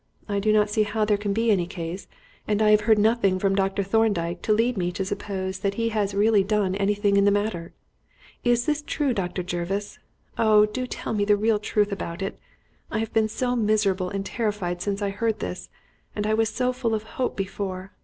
I do not see how there can be any case, and I have heard nothing from Dr. Thorndyke to lead me to suppose that he has really done anything in the matter.' Is this true, Dr. Jervis? Oh! do tell me the real truth about it! I have been so miserable and terrified since I heard this, and I was so full of hope before.